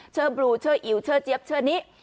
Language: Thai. ชื่อบลูชื่ออิ๋วชื่อเจี๊ยบชื่อนี้